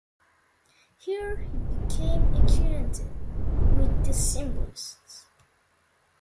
Here he became acquainted with the Symbolists.